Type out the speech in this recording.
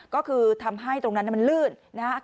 ก็คือทำให้ตรงนั้นมันลื่นนะครับ